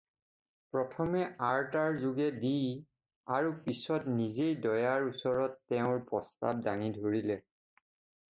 প্ৰথমতে আৰ-তাৰ যোগে দি আৰু পিচত নিজেই দয়াৰ ওচৰত তেওঁৰ প্ৰস্তাব দাঙি ধৰিলে।